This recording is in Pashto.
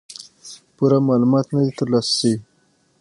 پوره معلومات نۀ دي تر لاسه شوي